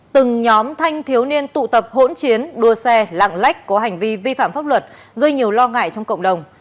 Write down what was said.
từng nhóm thanh thiếu niên tụ tập hỗn chiến đua xe lạng lách có hành vi vi phạm pháp luật gây nhiều lo ngại trong cộng đồng